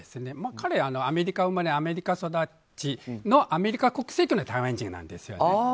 彼は、アメリカ生まれアメリカ育ちのアメリカ国籍の台湾人なんです。